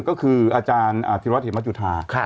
ก็คืออาจารย์ธิวัฒน์เหตุมันจุธา